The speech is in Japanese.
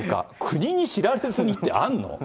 国に知られずにって、あんの？